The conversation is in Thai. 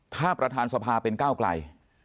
ถ้าประธานสภาเป็นก้าวไกล